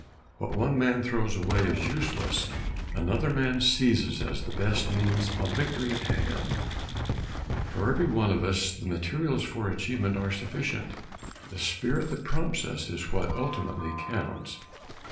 What one man throws away as useless, another man seizes as the best means of victory at hand. For every one of us the materials for achievement are sufficient. The spirit that prompts us is what ultimately counts.